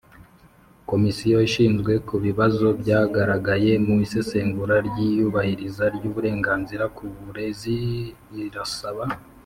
Komisiyo ishingiye ku bibazo byagaragaye mu isesengura ry iyubahiriza ry uburenganzira ku burezi irasaba